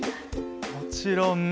もちろん。